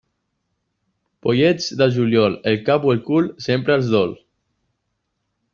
Pollets de juliol, el cap o el cul sempre els dol.